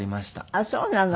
あっそうなの。